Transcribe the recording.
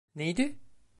Neydi?